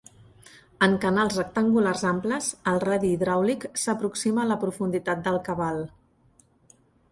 En canals rectangulars amples, el radi hidràulic s'aproxima a la profunditat del cabal.